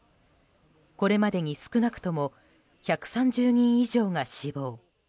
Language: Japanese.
これまでに少なくとも１３０人以上が死亡。